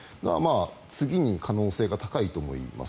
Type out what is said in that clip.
次に可能性が高いと思います。